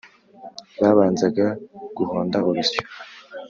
babanzaga guhonda urusyo,